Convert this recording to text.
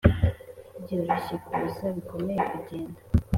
byoroshye kuza, bikomeye kugenda